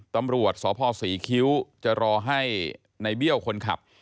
ตำรวจสพศรีคิ้วจะรอให้ในเบี้ยวคนขับ